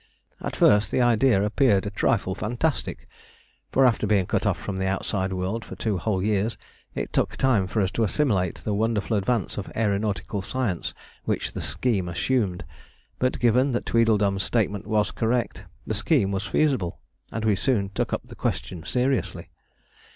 At first the idea appeared a trifle fantastic, for after being cut off from the outside world for two whole years it took time for us to assimilate the wonderful advance of aeronautical science which the scheme assumed; but given that Tweedledum's statement was correct, the scheme was feasible, and we soon took up the question seriously.